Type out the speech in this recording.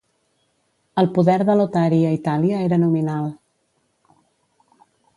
El poder de Lotari a Itàlia era nominal.